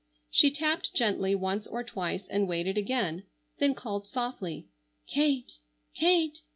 She tapped gently once or twice and waited again, then called softly: "Kate, Kate!